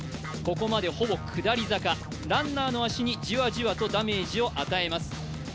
ここまでほぼ下り坂、ランナーの足にじわじわとダメージを与えます。